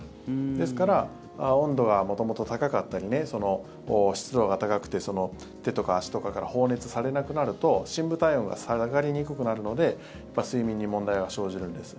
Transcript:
ですから、温度が元々高かったり湿度が高くて手とか足とかから放熱されなくなると深部体温が下がりにくくなるので睡眠に問題が生じるんです。